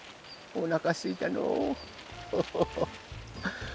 おなかすいたのうフフフ。